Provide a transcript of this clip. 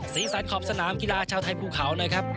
สีสันขอบสนามกีฬาชาวไทยภูเขานะครับ